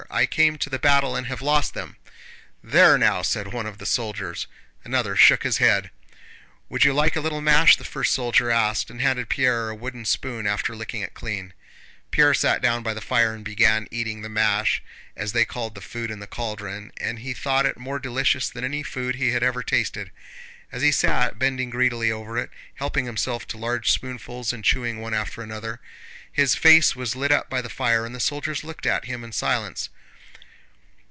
I came to the battle and have lost them." "There now!" said one of the soldiers. Another shook his head. "Would you like a little mash?" the first soldier asked, and handed Pierre a wooden spoon after licking it clean. Pierre sat down by the fire and began eating the mash, as they called the food in the cauldron, and he thought it more delicious than any food he had ever tasted. As he sat bending greedily over it, helping himself to large spoonfuls and chewing one after another, his face was lit up by the fire and the soldiers looked at him in silence.